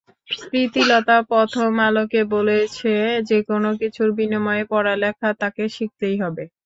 প্রীতিলতা প্রথম আলোকে বলেছে, যেকোনো কিছুর বিনিময়ে পড়ালেখা তাকে শিখতেই হবে।